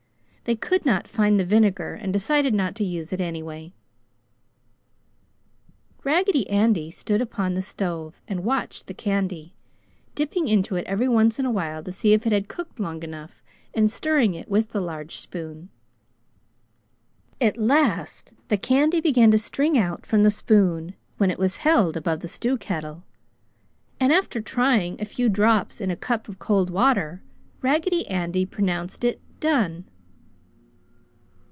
They could not find the vinegar and decided not to use it, anyway. [Illustration: They threw themselves down the stairs] Raggedy Andy stood upon the stove and watched the candy, dipping into it every once in a while to see if it had cooked long enough, and stirring it with the large spoon. At last the candy began to string out from the spoon when it was held above the stew kettle, and after trying a few drops in a cup of cold water, Raggedy Andy pronounced it "done."